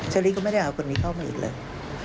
เชอรี่ก็ไม่ได้เอาคนมีครอบครัวอีกเลย